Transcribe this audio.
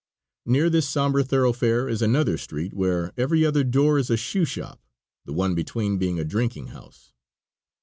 Near this somber thoroughfare is another street where every other door is a shoe shop, the one between being a drinking house.